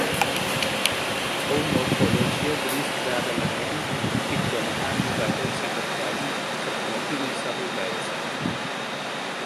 ئەم مۆرفۆلۆجیە دروستکرا لەلایەن پێپلۆمەکانی ڤایرۆسی دڕکاوی، کە پڕۆتینی سەر ڕووی ڤایرۆسەکەن.